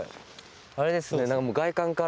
あれですね。